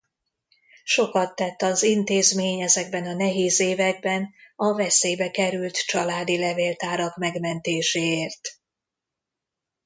Sokat tett az intézmény ezekben a nehéz években a veszélybe került családi levéltárak megmentéséért.